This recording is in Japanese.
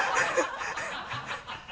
ハハハ